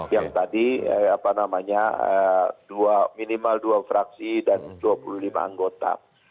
yang tadi apa namanya minimal dua fraksi dan dua puluh lima anggota